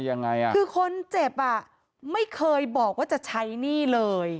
ยังไงอ่ะคือคนเจ็บอ่ะไม่เคยบอกว่าจะใช้หนี้เลย